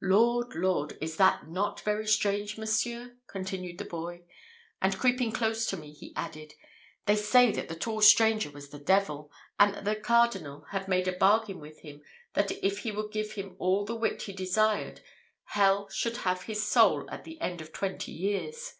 Lord! Lord! is not that very strange, monsieur?" continued the boy; and creeping close to me, he added, "They say that the tall stranger was the devil, and that the Cardinal had made a bargain with him, that if he would give him all the wit he desired, hell should have his soul at the end of twenty years.